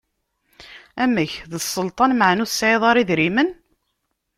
Amek, d sselṭan meɛna ur tesɛiḍ ara idrimen?